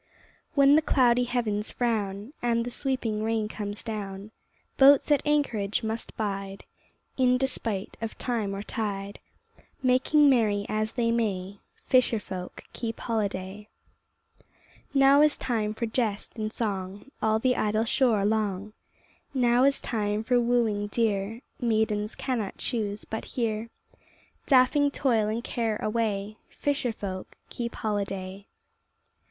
When the cloudy heavens frown, And the sweeping rain comes down, Boats at anchorage must bide In despite of time or tide; Making merry as they may Fisher folk keep holiday. Now is time for jest and song All the idle shore along, Now is time for wooing dear, Maidens cannot choose but hear ; Daffing toil and care away Fisher folk keep holiday.